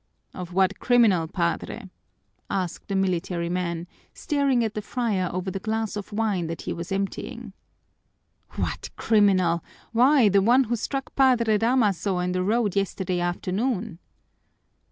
"Of what criminal, Padre?" asked the military man, staring at the friar over the glass of wine that he was emptying, "What criminal! Why, the one who struck Padre Damaso in the road yesterday afternoon!"